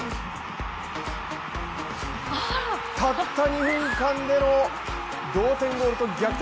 たった２分間での同点ゴールと逆転